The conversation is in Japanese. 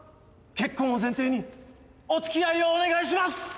結婚を前提にお付き合いをお願いします！